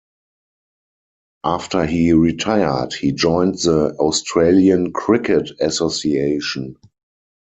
After he retired, he joined the Australian Cricket Association.